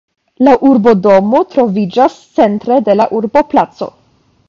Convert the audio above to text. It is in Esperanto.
La urbodomo troviĝas centre de la urboplaco.